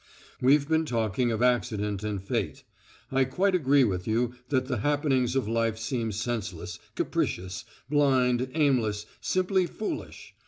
We've been talking of accident and fate. I quite agree with you that the happenings of life seem senseless, capricious, blind, aimless, simply foolish.